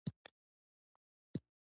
• مینه د احساساتو ژبه ده.